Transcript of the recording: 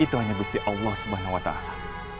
itu hanya besti allah subhanahu wa ta'ala